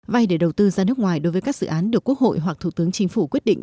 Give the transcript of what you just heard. vay để đầu tư ra nước ngoài đối với các dự án được quốc hội hoặc thủ tướng chính phủ quyết định